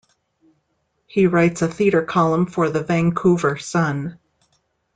He writes a theatre column for "The Vancouver Sun".